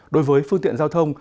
đối với phương tiện giao thông